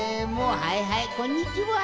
はいはいこんにちは。